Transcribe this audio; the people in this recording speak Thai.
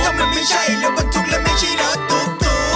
มันไม่ใช่รถประทุกมันไม่ใช่รถตุ๊กตุ๊ก